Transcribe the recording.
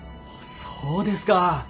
そうですか。